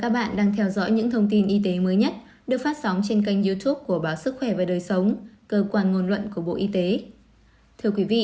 hãy đăng ký kênh để ủng hộ kênh của chúng mình nhé